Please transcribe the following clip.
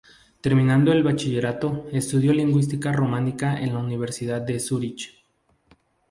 Terminado el bachillerato, estudió lingüística románica en la universidad de Zúrich.